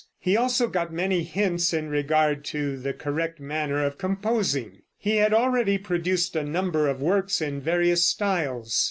He also got many hints in regard to the correct manner of composing. He had already produced a number of works in various styles.